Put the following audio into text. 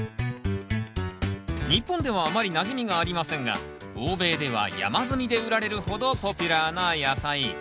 日本ではあまりなじみがありませんが欧米では山積みで売られるほどポピュラーな野菜。